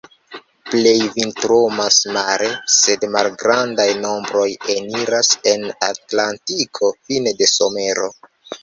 Plej vintrumas mare, sed malgrandaj nombroj eniras en Atlantiko fine de somero.